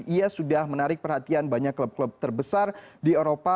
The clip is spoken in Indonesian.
ia sudah menarik perhatian banyak klub klub terbesar di eropa